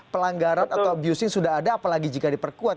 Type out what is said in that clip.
pelanggaran atau abusing sudah ada apalagi jika diperkuat